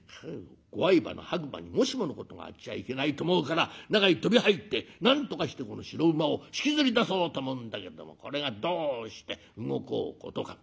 ご愛馬の白馬にもしものことがあっちゃいけないと思うから中へ飛び入ってなんとかしてこの白馬を引きずり出そうと思うんだけどもこれがどうして動こうことか。